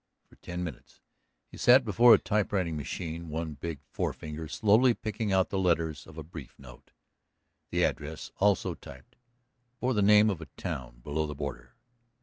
For ten minutes he sat before a typewriting machine, one big forefinger slowly picking out the letters of a brief note. The address, also typed, bore the name of a town below the border.